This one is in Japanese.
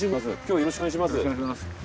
よろしくお願いします。